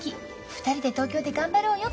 ２人で東京で頑張ろうよ」